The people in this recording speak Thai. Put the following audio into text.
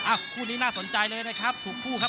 คู่นี้น่าสนใจเลยนะครับถูกคู่ครับ